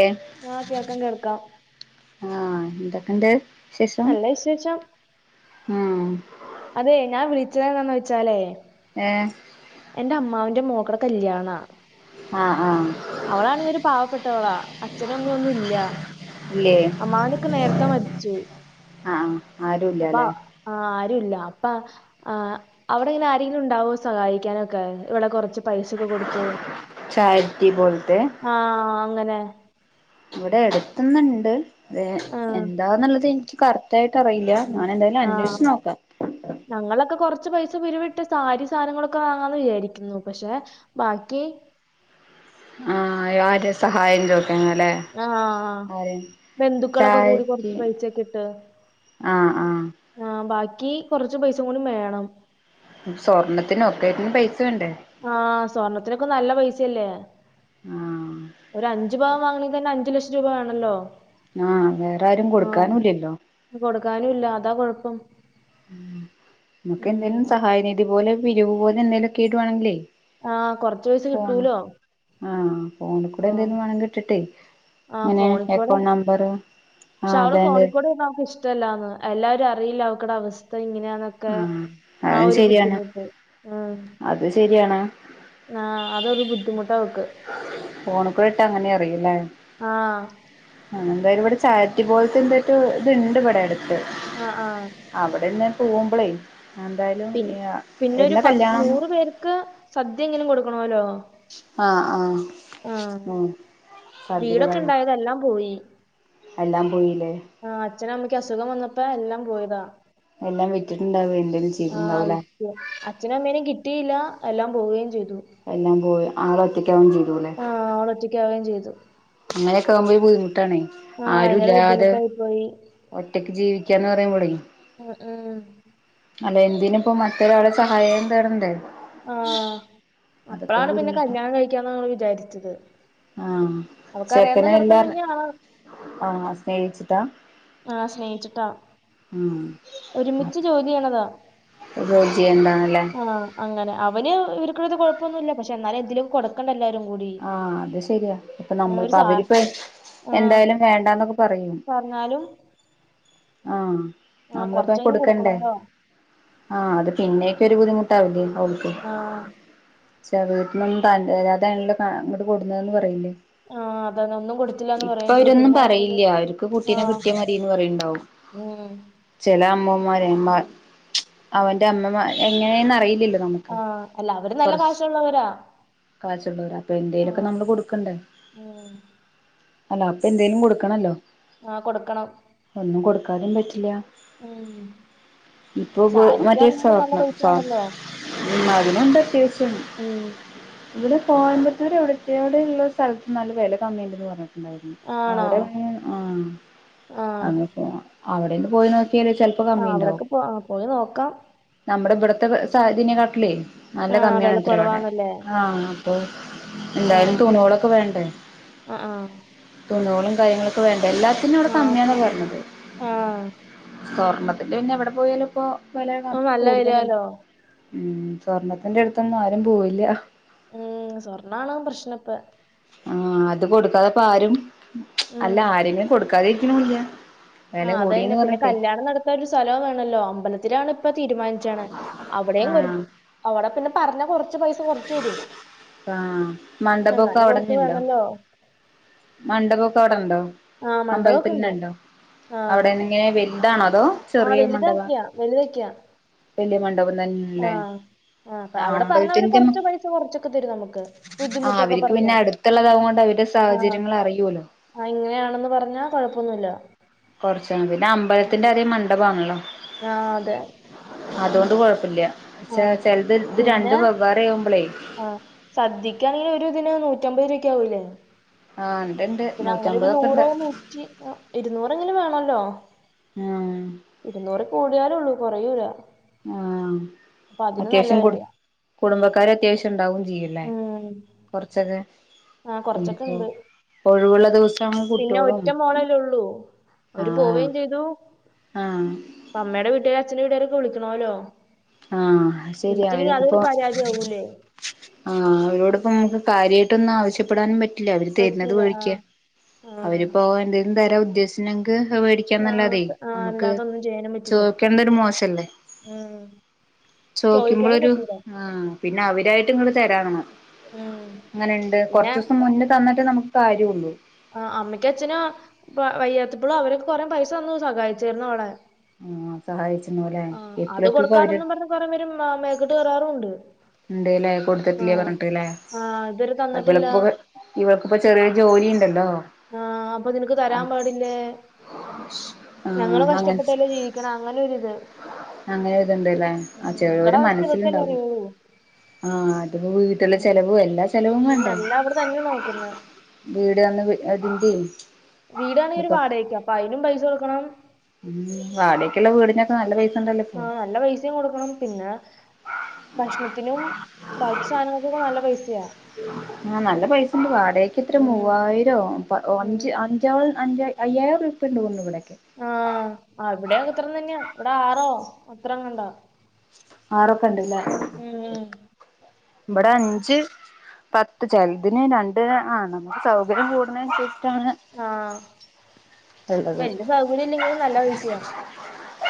ഏ ആഹ് കേൾക്കാം കേൾക്കാം ആഹ് എന്തൊക്കെണ്ട് ശേഷം നല്ല വിശേഷം ആഹ് അതെയ് ഞാൻ വിളിച്ച എന്നാന്ന് വെചാലെ ഏഹ് എന്റെ അമ്മാവന്റെ മോക്കട കല്യാണ ആഹ് ആഹ് അവളാണങ്കി ഒര് പാവപ്പെട്ടവളാ അച്ഛനും അമ്മയൊന്നും ഇല്ല ഇല്ലേ അമ്മാവനൊക്കെ നേരത്തെ മരിച്ചു ഉം ആരുംല്ല അപ്പ ആഹ് ആരുല്ല അപ്പ ആഹ് അവടെ ഇങ്ങനെ ആരെങ്കിലും ണ്ടാവോ സഹായിക്കാനൊക്കെ ഇവിടെ കൊറച്ച് പൈസൊക്കെ കൊടുത്ത് ചാരിറ്റിപോല്ത്തെ ആഹ് അങ്ങനെ ഇവിടെ എടുത്തുന്നുണ്ട് അതേ ആഹ് കറകറ്റായിട്ട് അറിയില്ല ഞാൻന്തായാലും ആഹ് അന്വേഷിച്ച് നോക്കാം ഞങ്ങളൊക്കെ കൊറച്ച് പൈസ പിരുവിട്ട് സാരി സാനങ്ങളൊക്കെ വാങ്ങാന്ന് വിചാരിക്കുന്നു പക്ഷെ ബാക്കി ആഹ് ആരെ സഹായം ചോ [unintelligible] ല്ലേ ആഹ് ആരെ ബന്ധുക്കളൊക്കെ കൂടി ചാരിറ്റി കൊറച്ച് പൈസയൊക്കെ ആഹ് ആഹ് ആഹ് ബാക്കി കുറച്ച് പൈസ കൂടി വേണം സ്വർണ്ണത്തിന് ഒക്കെറ്റിനും പൈസ വേണ്ടേ ആഹ് സ്വർണ്ണത്തിനൊക്കെ നല്ല പൈസേല്ലേ ആഹ് ഒരഅഞ്ചു പവൻ വാങ്ങണെങ്കിൽ തന്നെ അഞ്ചു ലക്ഷം രൂപ വേണല്ലോ ആഹ് വേറെ ആരും കൊടുക്കാനും ഇല്ലല്ലോ കൊടുക്കാനുംല്ല അതാ കൊഴപ്പം നമുക്ക് ഉം എന്തേലും സഹായനിധി പോലെ പിരിവു പോലെ എന്തെങ്കലുംക്കെവേണേങ്കില് ആഹ് കുറച്ച് പൈസ ഫോണ് കിട്ടൂലോ? ആഹ് ഫോണികൂടെ ആ എന്തെലും വേണെങ്കി ഇട്ടിട്ടേ ആ ങ്ങനെ ഫോണിക്കൂടെ അക്കൗണ്ട് നമ്പർ പക്ഷെ അവള് [unintelligible] അവക്ക് ഇഷ്ടല്ലാന്ന് എല്ലാരും അറിയില്ലേ അവക്കടെ അവസ്ഥ ഇങ്ങനെ ആന്ന് ക്കെ ആഹ് ആഹ് അതും ഒരു ശരിയാണ് ബുദ്ധിമുട്ട് ആഹ് അത് ശരിയാണ് അതൊരു ബുദ്ധിമുട്ടാ അവക്ക്. ഫോൺക്കുടെട്ടാ ങ്ങനെ അറിയുല്ലേ ആ ആഹ് ന്തായാലും ഇവിടെ ചാരിറ്റി പോലത്തെ ന്ധേറ്റെ ഇത്ണ്ട് ഇവിടെട് ത്ത് ആഹ് അവിടെന്ന് പോവുമ്പോളേ ഞാ ന്തായാലും എന്ന കല്യാണം പേർക്ക സദ്യ എങ്കിലും കൊട്ക്കണോല്ലോ ആഹ് ആഹ് ആഹ് [unintelligible] അതെല്ലാം പോയി എല്ലാം പോയില്ലേ ആഹ് അച്ഛൻ അമ്മക്ക് അസുഖം വന്നപ്പോ എല്ലാം പോയതാ എല്ലാം വിറ്റിട്ടുണ്ടാവും എന്തെേലും ചെയ്തിട്ടണ്ടാവുംലേ അച്ഛനമ്മേനും കിട്ടിയില്ല എല്ലാം പോവുകയും ചെയ്തു എല്ലാം പോയി ആളൊറ്റക്കാവും ചെയ്തുലേ ആഹ് അവള ഒറ്റയ്ക്കാവുകയും ചെയ്തു അങ്ങനൊക്കെകുമ്പോ ബുദ്ധിുട്ടാണേ ആഹ് ഭയങ്കര ബുദ്ധിമുട്ടായി പോയി ഒറ്റയ്ക്ക് ജീവിക്കന്ന് പറയാുമ്പള ഉം ഉം അല്ല എന്തിന ഇപ്പ മറ്റൊരുളാൾടെ സഹായം തേടണ്ടേ ആഹ് അതൊക്കെ ഒരു അപ്പഴാണ് പിന്നെ ബുദ്ധിമുട്ടാ കല്യാണം കഴിക്കാന്ന് വിചാരിച്ചത് ആഹ് അവക്കറിയാവുന്ന ചേക്കന ചെറുക്കൻ എല്ലാ തന്നെയാണ് ആഹ് സ്നേഹിച്ചിട്ടാ ആഹ് സ്നേഹിച്ചിട്ടാ ഉം ഒരുമിച്ച് ജോലിച്ചെയണതാ [unintelligible] ഉണ്ടാണല്ലേ ആ അങ്ങനെ അവന് ഇവർക്കത് കൊഴപ്പൊന്നുമില്ല പക്ഷെ എന്നാലും എന്തേലും കൊ [unintelligible] എല്ലരുംകൂടി ആഹ് അത് ശരിയാ ഇപ്പൊ നമ്മളിപ്പോ അവരിപ്പ ആഹ് എന്തായാലും വേണ്ടന്നൊക്കെ പറയൂ പറഞ്ഞാലും ആഹ് ആഹ് നമ്മള ഇപ്പ കൊറച്ചെങ്കിലും കൊടുക്കണ്ടേ കൊടുക്കണോല്ലോ ആഹ് അത് പിന്നേക്ക ഒരു ബുദ്ധിമുട്ടാവില്ലേഓ ആഹ് പക്ഷ വീട്ടന്നൊന്നും ത അല്ലാതല്ല അങ്ങോട്ട് കൊടുന്നതന്ന് പറയില്ലേ ആഹ് അതാണ് ഒന്നും കൊടുത്തില്ലാന്ന് ഇപ്പൊ പറയുകയും ചെയ്യും അവരൊന്നും പിന്നെ ആൾക്കാര് പറയില്ല അവർക്ക് കുട്ടീനെ ആഹ് കിട്ടിയ മതിന്ന് പറയണ്ടാവും ഉം ചില അമ്മമാര അവറെ അമ്മമാർ എങ്ങനെയന്ന അറിയില്ലല്ലോ നമുക്ക് ആഹ് അല്ല അവര് നല്ല കാശുള്ളവരാ കാച്ചുള്ളവർ അപ്പ എന്തേലുമക്കെ ആഹ് നമ്മള് കൊടുക്കണ്ടേ ഉം അല്ല അപ്പൊ എന്തേങ്കലും കൊടുക്കണല്ലോ ആഹ് കൊടുക്കണം ഒന്നും കൊടുക്കാനും പറ്റില്ല ഉം ഇപ്പൊ സാരിക്കാണെങ്കിലും നല്ല [unintelligible] പൈസയാണല്ലോ ഉം അതിനെന്ത അത്യാവശ്യം ഉം ഇവിടെ കോയമ്പത്തൂർ എവിടത്തടെ ഉള്ള സ്ഥലത്ത് നല്ല വില കമ്മിണ്ട്ന്ന് പറഞ്ഞു ആണോ അവിടെ ആഹ് ആഹ് അ അവിടെന്ന് പോയി നോക്കിയാല് ച ആഹ് അവിടെക്കെ പോ പോയി നോക്കാം നമ്മുടെ ഇവിടത്തെ സതിനെ കാട്ടലേ നല്ല ആഹ് കമ്മിയാണ് വെല ഇത്ര അവിടെ കുറവാന്നല്ലേ ആഹ് അപ്പൊ എന്തായാലും ആഹ് തുണികോളൊക്കെ വേണ്ടേ ആഹ് ആഹ് തുണുകളും കാര്യങ്ങളൊക്കെ വേണ്ട എല്ലാത്തിനും അവിടെ ആഹ് കമ്മിയാണ് പറഞ്ഞത് ആഹ് സ്വർണ്ണ പിന്നെ എവിടെ പോയാലും ഇപ്പോ വല അത് നല്ല കൂടുതലല്ലോ വരുവാലോ ഉം സ്വർണത്തിന്റെ അടുത്തൊന്നും ആരും പോവില്ല ഉം സ്വർണ്ണണോ പ്രശ്ന ഇപ്പ ആ അത് കൊടുക്കാതെപ്പ ആരും ഉം അല്ല ആരെങ്കിലും കൊടുക്കാതെരിക്കണില്ല ആഹ് അതന്നെ പിന്നെ കല്യാണം നട [unintelligible] സ്ഥലം വേണല്ലോ അമ്പലത്തിലാണ് ഇപ്പ തീരുമാനിച്ചാണ് അവിടെയും ആഹ് അവിടെ പിന്നെ പറഞ്ഞ കൊറച്ച് പൈസ കൊറച്ച് വരും ആഹ് മണ്ഡപൊക്കെ എന്നാലും കൊറത്ത വേണല്ലോ മണ്ഡപമൊക്കെ അവിടെണ്ടോ ആ മണ്ഡപമൊക്കെ അമ്പലത്തിൽ ഉണ്ട് നിന്നുണ്ടോ അവിടെങ്ങന വലുതാണോ അതോ ആഹ് ചെറിയ വലുതാക്കിയാ വലുതക്കാ വലിയമണ്ഡപം തന്നെയല്ലേ ആ അവിടെ പറഞ്ഞവര് കൊറച്ച് പൈസ കൊറച്ചൊക്കെ തരും നമുക്ക് ബുദ്ധിമുട്ടൊക്കെ പറഞ്ഞ മറ്റുള്ളതാവുക കൊണ്ട് അവരുടെ സാഹചര്യങ്ങൾ അറിയൂ ലോ ആഹ് ഇങ്ങനെയാണെന്ന് പറഞ്ഞാ കൊഴപ്പൊന്നുമില്ല കുറച്ച പിന്നെ അമ്പലത്തിന്റെ അറിയ മണ്ഡപമാണല്ലോ ആഹ് അതെ അതുകൊണ്ട് കൊഴപ്പില്ല ആ ചെല്ത് ഇത് രണ്ട് പിന്നെ വെവ്വേറെ ആവുമ്പോളേ ആ സദ്യക്കാണെങ്കിൽ ഒരു ദിന് നൂറ്റമ്പത് രൂപക്കെ ആകൂല്ലേ ആ [unintelligible] ഉണ്ട്ണ്ട് പിന്നെ അങ്ങനെ ഒരു നൂറ്റമ്പതൊക്കെ ഉണ്ട് നൂറോ നൂറ്റി ഇരുന്നൂറ്ങ്ങിലും വേണല്ലോ ആം ഇരുന്നൂറ് കൂടിയാലുള്ളു കൊറയൂല ആഹ് അത്യാവശ്യം കു വിലയാ കുടുംബക്കാര് അത്യാവശ്യം ഉണ്ടാവും ഉം കൊർച്ചൊക്കെ ആ കൊറച്ചൊക്കെ ഉണ്ട് ഒഴിവുള്ള ദിവസ പിന്നെ ഒറ്റ മോളല്ല ഉള്ളൂ അവര് ആഹ് പോവയും ചെയ്തു ആഹ് അമ്മേടെ വീട്ടിലും അച്ഛന്റെ വീട്ടാരേം ഒക്കെ വിളിക്കണോലോ ആഹ ശെരി അവര് ഇപ്പോ [unintelligible] ആഹ് അവരോടൊപ്പം നമുക്ക് കാര്യയിട്ടൊന്നും ആവശ്യപ്പെടാനും പറ്റില്ല അവര് തരുന്നത് പറ്റൂല വെടിക്കാ ആഹ് ആഹ് അവര്പ്പോ എന്തെങ്കിലും തരാം ഉദ്ദേശിഷിനെങ്കി അഹ് വേടി ക്കാൻ ആഹ് ആഹ് നല്ലതെനമ്മുക്ക് അല്ലാതൊന്നും ചെയ്യാനും പറ്റില്ല ചോദിക്കേണ്ട ഒരു മോശല്ലേ ചോയിക്കാനും പറ്റൂല ആ പിന്നെ അവരായിട്ടും ഇങ്ങട്ട് തരാണ് ഉം അങ്ങനെയുണ്ട് പിന്നെ കൊറച്ചൂസം മുന്നേ തന്നിട്ട് നമുക്ക് കാര്യള്ളൂ ആ അമ്മക്ക് അച്ചന് വയ്യാത്തപ്പോളും അവര കൊറെ പൈസ തന്നു സഹായിച്ചായിരുന്നു അവളെ ആഹ് സഹായിച്ചിണു ലെ [unintelligible] കുറെേ പേരു മേക്കട്ട് കേറാരും ഉണ്ട്‌ ഉണ്ട്ല്ലേ കൊടുത്തിട്ടില്ലേ പറഞ്ഞിട്ടല്ലേ ആഹ് ഇതുവരെ തന്നിട്ടില്ല ഇവൾക്കിപ്പോ ചെറ്യാ ജോലി ഇണ്ടല്ലോ. ആഹ് അപ്പം നിനക്ക് തരാൻ പാടില്ലേ ആഹ് ഞങ്ങളും കഷ്ടപ്പെട്ടല്ലേ ജീവി ക്ണ അങ്ങനെൊരിത്. അങ്ങനൊരിത്ണ്ട് ലെ ആ ചെലോര് ഇവക്കടെ അവസ്ഥ ഇവക്കല്ലേ മൻസ്സില്ണ്ടാവെ. അറിയൂ ആഹ് അത്‌മ്പോ വീട്ടിലെ ഉം ചെലവും എല്ലാ ചെലവും വേണ്ടേ? എല്ലാം അവിടെ തന്നെ നോക്കുന്നെ വീട് വന്ന് അതിന്റെ വീടാണേ ഒരു വാടകയ്ക്ക അപ്പയ്നും പൈസ കൊട്ക്കണം. മ് വാടെക്ക്ള്ള വീടിനൊക്കെ നല്ല പൈസണ്ടല്ലോ ഇപ്പോ. ആഹ് നല്ല പൈസയും കൊടുക്കണം പിന്നെ ഭക്ഷണത്തിനും ബാക്കി സാധനങ്ങൾക്കൊക്കെ നല്ല പൈസയാ [inaudible] ആ നല്ല പൈസണ്ട് വാടക്യക്ക് എത്ര ഉം മൂവായിരോ പ ഉം അഞ്ച് അ [unintelligible] അയ്യായിരൊർപ്യണ്ട്ന്ന് തോന്ന്ണ് ഇവടൊക്കെ. ആഹ് അവ്ടെക്കത്രം തന്ന്യാ അവിടെ ആറോ അത്രങ്ങാണ്ടാ. ആറൊക്കെ ഇണ്ട്ല്ലേ. മ് മ്. ഇബടെ അഞ്ച് പത്ത് ചെൽതിന് രണ്ട് ആ നമക്ക് സൗകര്യം കൂടുന്നേൻസര്ച്ച്ട്ടാണ്. ആഹ്‌ വെല്യ സൗകര്യല്ലെങ്കിലും നല്ല [unintelligible]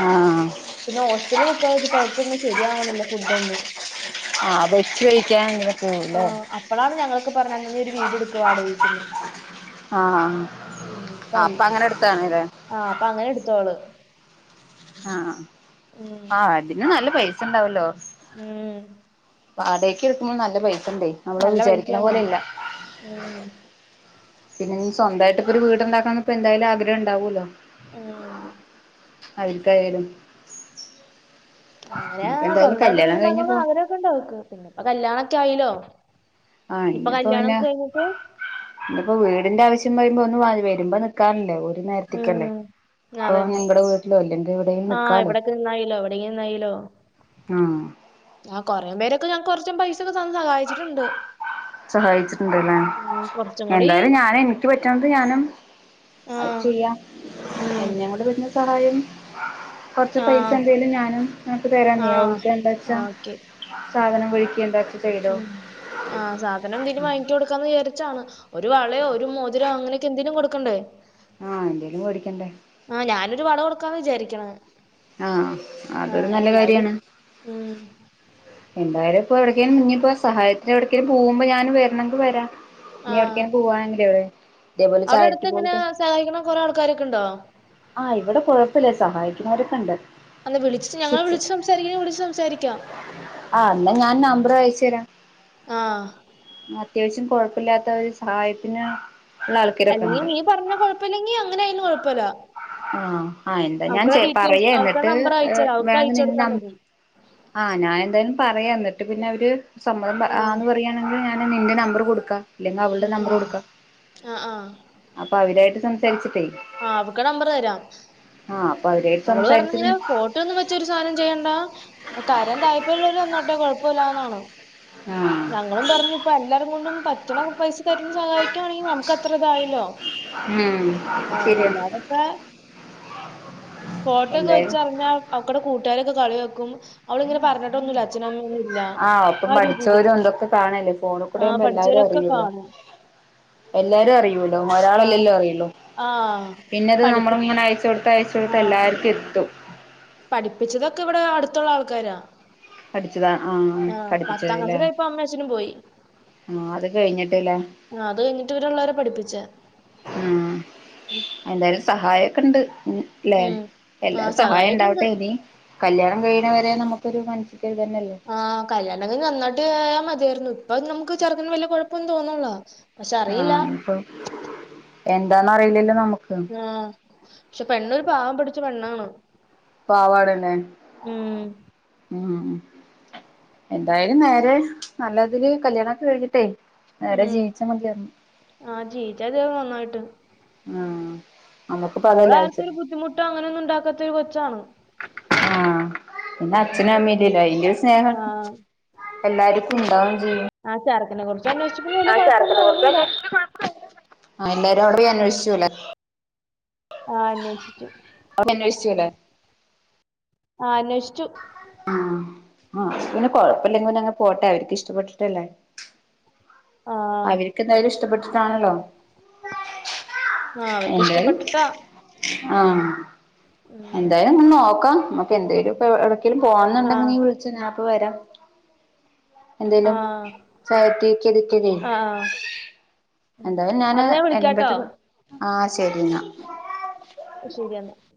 ആഹ്. പിന്നെ ഹോസ്റ്റല്ല് നിക്ക് ണോൽക്ക് [unintelligible] ശരിയാവണില്ല ഫുഡൊന്നും. ആഹ് വച്ച് കഴിക്യാൻ ഇങ്ങനെ പോവല്ലേ? ആഹ് അപ്പളാണ് ഞങ്ങക്ക് പർഞ്ഞ ഞാനൊരു വീഡിയോട്ക്ക വാടകവീട്ട്ന്ന് ആഹ് മ് പത് അപ്പൊ അങ്ങനെ എടുത്താണ്ല്ലേ ആഹ് അപ്പങ്ങനെട്ത്തോള്. ആഹ് ഉം ആ ആ അതിനും നല്ല പൈസണ്ടാവല്ലോ. ഉം വാടകെടുക്കുമ്പോ നല്ല പൈസ ണ്ടേയ് നമ്മള് നല്ല വിചാരിക്കണ പൈസയാന്നേ പോലെ അല്ല. ഉം പിന്നെഞ്ഞി സ്വന്തായിട്ട്പ്പൊരു വീട് ണ്ടാക്കാന്ന്പ്പോ എന്തായാലും ആഗ്രഹണ്ടാവുല്ലോ, ഊമ്.. അതിൽ കായാലും അങ്ങനെ സ്വന്തായിട്ട് വീടു കഴിഞ്ഞ് ണ്ടാക്കണമെന്നാ പോ ഗ്രഹമൊക്കെയുണ്ടാവുക്ക് പിന്നെ ഇപ്പോ കല്യാണൊക്കെ ആയില്ലോ ഇപ്പൊ കല്ല്യാണം ഒക്കെ കഴിഞ്ഞിട്ട് ഇതിപ്പോ വീടിന്റെ ആവശ്യം വരു മ്പോ ഒന്ന് വാത് വരുമ്പനിക്ക് പണിക്കാരുണ്ട് ഒരു നേരതിക്കല്ലേ ഉം ഇപ്പൊ ഞങ്ങളടെ വീട്ടിലോ അല്ലെങ്കിൽ എവിടെലും ആഹ് നിക്കാലോ എവിടെൊക്കെ നിന്നായിലോ എവിടെകി നിന്നായിലോ ആഹ് ആ കുറെേ പേരൊക്കെ ഞാ കുറച്ചും പൈസൊക്കെത ന്ന് സഹായിച്ചിട്ടുണ്ട്. സഹായിച്ചിട്ടുണ്ടല്ലേ ഉം കൊറച്ചും കൂടി എന്തായാലും ഞാന് എനിക്ക് പറ്റുന്നത് ഞാനും ആ അത് ചെയ്യാം ഉം എന്നെ കൊണ്ട് പറ്റുന്ന സഹായം കോറച്ച് ആ പൈസ എന്തെലും ഞാനും നക്ക് ആ തരാന്ന് ഔടെന്നുവെച്ച എന്താ ആ വച്ചാ ഓക്കെ സാധനം കുഴിക്കുണ്ടാക് ഉം ആ സാധനം എന്തിലും വാങ്ങിച്ചു കൊടുക്കാന്ന് വിചാരിച്ചാണ് ഒരു വളയോ ഒരു മോതിരോ അങ്ങനൊക്കെന്തേലും കൊടുക്കണ്ടേ? ആഹ് എന്തേലുംവേടിക്കണ്ടേ? ആ ഞാനൊരു വളകൊടുക്കാന്ന് വിചാരിക്ക് ണ്. ആ.. അതൊരു നല്ല കാര്യാണ് ഈ... മ് എന്തായാലുപ്പോ എവിടേക്കേലും മുങ്ങിപ്പോയ സഹായത്തിന് എവിടുക്കേലും പോകുമ്പോ ഞാനും വരണെങ്കിവരാ ഞ്ഞി ആ എവിടക്കേലും പോവാണെങ്കിലെവറേ ഇതേപോലെ അവിടെ അടുത്ത് ചാാരറ്റി എങ്ങനെ പോലത്ത - സഹായിക്കണ കൊറേ ആൾക്കാരൊക്കെ ഉണ്ടോ ആ ഇവിടെ കൊഴപ്പല്ലെ സഹായിക്കുന്നോരക്കെണ്ട് അന്ന് വിളിച്ച് ഞങ്ങൾ വിളിച്ച് സംസാരിക്കണെ വിളിച്ച് സംസാരിക്കാം. ആഹ് ന്നാ ഞാൻ നമ്പർ അയച്ചരാ ആഹ് അത്യാവശ്യാം കൊഴപ്പല്ലാത്ത ഒരു സഹായപിന് അല്ലെങ്കി നീ പറഞ്ഞ കൊഴപ്പല്ലെങ്കി അങ്ങനെയിന് കൊഴപ്പല്ല. ആ... ആഹ് എന്താ ഞാൻ അവക്കുള്ള ചെ ഡീറ്റെയിൽസ് പറയാ അവക്കുടെ എന്നിട്ട് നമ്പർ അയച്ചരാ അവക്ക് വേണെങ്കി അയച്ചു നിൻ കൊടുത്താ നമ്പ മതി ആഞാൻ എന്തയാലും പറയാം എന്നിട്ട് പിന്നെ അവര് സമ്മതം ആഹ് ആന്ന് പറയാണ് കിൽ ഞൻ നിന്റെ നമ്പർ കൊടുക്കാം. ഇല്ലെങ്കിൽ അവളുടെ ഇമ് നമ്പർ ഇമ് കൊടുക്കാം അ ആ അപ്പൊ അവിരുവായിട്ട് സംസാരിച്ചിട്ടേയ് ആ അവ്ക്കടെമ്പർ തരാം അപ്പൊ അവരായിട്ട് അവള് പറഞ്ഞുങ്ങനെ സംസാരിച്ചിട്ട് ഫോട്ടോയൊന്നും ന്ന് വെച്ചരു സാധനം ചെയ്യണ്ട അ തരാം താല്പര്യല്ലോല് തന്നോട്ടെ കുഴപ്പല്ല്യന്നാണ്. ആ... ഞങ്ങളും പറഞ്ഞു ഇപ്പൊ എല്ലാരും കൊണ്ടും പറ്റ്ണ പൈസ തരുന്ന് സഹായിക്കവാണെങ്കി നമുക്ക് അത്രതായല്ലോ ഉം ആ ശരിയാ അല്ലാതൊക്കെ ഫോട്ടോ ഒക്കെ എന്തായാലും വെച്ചറിഞ്ഞാൽ അവക്കടെ കൂട്ടുകാരൊക്കെ കളി യാക്കും. അവള്ങ്ങനെ പറഞ്ഞ [inaudible] അച്ഛനമ്മയൊന്നും ഇല്ല ആഹ് ഒപ്പം ആ രീതില് പഠിച്ചവരും ഇതൊക്കെ കാണല്ലേ ഫോണിൽ ആ കൂടെ ആകുമ്പോ എല്ലാരും പഠിച്ചവരൊക്കെ അറിയൂല്ലോ കാണും എല്ലാരും അറിയല്ലോ ആ ഒരാളല്ലെല്ലോ അറിയല്ലോ ആ പിന്നെത് പഠിപ്പി നമ്മള് ഇങ്ങനെ അയച്ച് കൊടുത് തയച്ച ആ കൊടുത്തഎല്ലാർക്കു എത്തും പഠിപ്പിച്ചതൊക്കെ ഇവിടെ അടു ത്തു ള്ള ആൾക്കാരാ പഠിച്ചതാ ആ.. പത്താം പഠിപ്പിച്ചതല്ലേ ക്ലാസ്സിലായപ്പോ അമ്മേം അച്ഛനും പോയി ആ അത് കഴിഞ്ഞിട്ടിലെ ആ അത് കഴിഞ്ഞിട്ട് ഇവരെള്ളോരെ പഠിപ്പിച്ച. ഉം. എന്തായാലും സഹായം ഒക്കെണ്ട് ല്ലെ ഉം ആ എല്ലാരും സഹായം സഹായൊക്കെ ഉണ്ട് ണ്ടാവട്ടെ ഇനി കല്യാണം കഴിഴ്ണ വരെ നമുക്കൊരു മനസ്സ്ക്കരു ഇതന്നല്ലേ ആഹ് കല്യാണൊക്കെഞ്ഞ് നന്നായിട്ട് [unintelligible] മതിയായിരുന്നു. ഇപ്പൊ നമുക്ക് ചെറുക്കന് വല്ല കൊഴപ്പൊന്നും തോന്നുല്ല ആഹ പ്പം എന്താന്നറിയിലല്ലോ നമുക്ക് ആഹ, ക്ഷെ പെണ്ണൊരു പാവം പിടിച്ച പെണ്ണാണ്. പാവാടല്ലെ. ഉം ഉം. ഉം. എന്തായാലും നേരെ നല്ല തില് കല്യാണൊക്കെ കഴിഞ്ഞിട്ടേ നേരെ ജീവിച്ചാ മതിയായിരുന്നു. ആ ജീവിച്ചാ [unintelligible] നന്നായിട്ട് ആഹ് നമ്മക്ക്പ്പൊ അതല്ലെ ആ [unintelligible] ട്ട് അങ്ങനെ ഒന്നും ണ്ടാക്കാത്തൊരു കൊച്ചാണ്. ആഹ്. പിന്ന ഉം അച്ഛനും അമ്മീല്ലല്ലോ. അയിന്റെരു സ്നേഹ ആഹ് എല്ലാര്ക്കും ണ്ടാവും ചെയ്യും. ആ ചറക്കനെ കുറച്ച് അന്വേഷിച്ചപ്പൊ ആ വല്ല്യ കൊഴപ്പൊന്നും തോന്നീല്ല. ആ എല്ലാരുവടെപ്പോയി അന്വേഷിച്ചുല്ലേ ആ അന്വേഷിച്ചു. അ [unintelligible] ച്ചൂലേ ആഹ് അന്വേഷിച്ചു. ആ ആ. പിന്നെ കൊഴപ്പല്ലെങ്കി പിന്നെ അങ്ങനെ പോട്ടെ അവർക്ക് ഇഷ്ടപ്പെട്ടിട്ടല്ലേ ആഹ് അവര്ക്ക് എന്തായാലും ഇഷ്ടപ്പെട്ടിട്ടാണല്ലോ ആഹ് അവർക്ക് എന്തായാലും ഇഷ്ടപ്പെട്ടിട്ടാ ആഹ് ഉം എന്തായാലും ങ്ങനെ നോക്കാ. മ്മക്ക് എന്തെലൊക്കെ ഇ എ വ്ട്ക്കേലും ആഹ് പോവന്ന്ണ്ടെങ്കിൽ വിളിച്ചൊ ഞാപ്പൊ വരാ എന്തേലും [unintelligible] ആഹ് ക്കല്ലേ ആഹ് ഉം എന്തായാലും ഞാന് എന്നാ ഞാൻ അയിനെ വിളിക്കാട്ടോ പറ്റി ആ ശരി ന്നാ. ശരി [unintelligible]